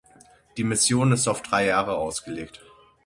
Die Mission ist auf drei Jahre ausgelegt.